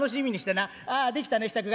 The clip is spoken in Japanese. ああできたね支度が。